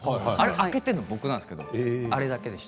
開けているのは僕なんですけれどあれだけでした。